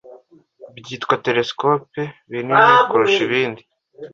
byitwa télescope binini kurusha ibindi